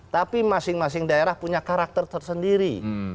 tapi masing masing daerah punya karakter tersendiri